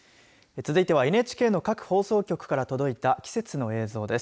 続いてはＮＨＫの各放送局から届いた季節の映像です。